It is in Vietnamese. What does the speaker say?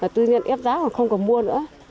tự nhiên ép giá còn không có mua nữa